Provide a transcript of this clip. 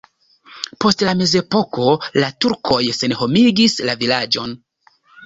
Post la mezepoko la turkoj senhomigis la vilaĝon.